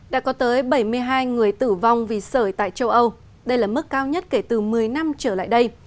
đã có tới bảy mươi hai người tử vong vì sởi tại châu âu đây là mức cao nhất kể từ một mươi năm trở lại đây